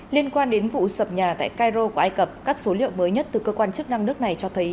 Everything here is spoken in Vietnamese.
liên quan đến vụ sập nhà tại cairo của ai cập các số liệu mới nhất từ cơ quan chức năng nước này cho thấy